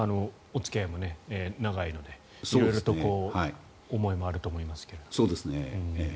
お付き合いも長いので色々と思いもあると思いますが。